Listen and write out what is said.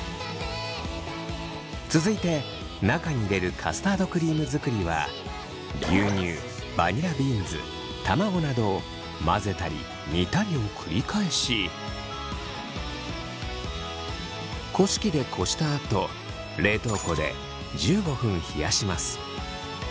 続いて中に入れるカスタードクリーム作りは牛乳バニラビーンズ卵などを混ぜたり煮たりを繰り返しこし器でこしたあと冷凍庫で１５分冷やします。